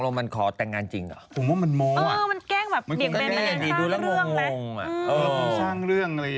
สร้างเรื่องเหล่ายังไง